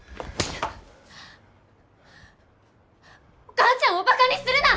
お母ちゃんをバカにするな！